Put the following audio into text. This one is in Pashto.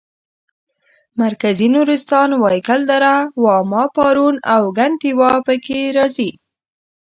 مرکزي نورستان وایګل دره واما پارون او کنتیوا پکې راځي.